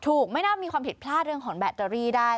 ไม่น่ามีความผิดพลาดเรื่องของแบตเตอรี่ได้